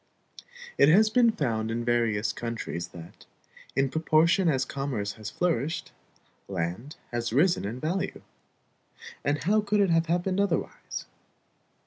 It has been found in various countries that, in proportion as commerce has flourished, land has risen in value. And how could it have happened otherwise?